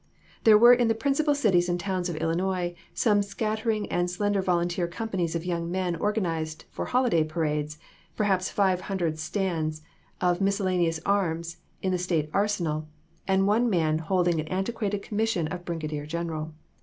There were in the principal cities and towns of Illinois some scatter ing and slender volunteer companies of young men organized for holiday parades; perhaps five hun dred stands of miscellaneous arms in the State arsenal, and one man holding an antiquated com mission of brigadier general.